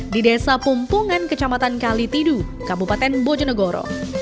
di desa pumpungan kecamatan kalitidu kabupaten bojonegoro